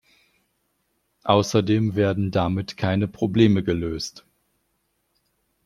Außerdem werden damit keine Probleme gelöst.